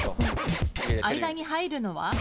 間に入るのは？